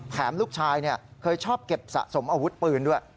ลูกชายเคยชอบเก็บสะสมอาวุธปืนด้วย